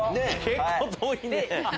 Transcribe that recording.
結構遠いね！